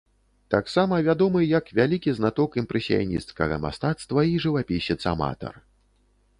Таксама вядомы як вялікі знаток імпрэсіянісцкага мастацтва і жывапісец-аматар.